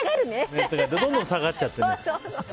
どんどん下がっちゃって。